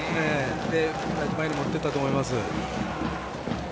よく前にもっていったと思います。